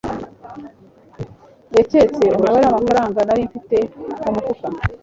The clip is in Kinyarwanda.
Yaketse umubare w'amafaranga nari mfite mu mufuka.